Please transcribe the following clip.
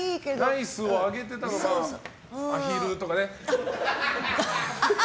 ナイスを上げてたのがアヒルとかね。